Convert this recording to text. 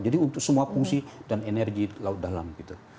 jadi untuk semua fungsi dan energi di laut dalam gitu